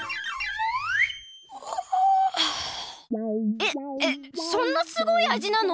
えっえっそんなすごいあじなの！？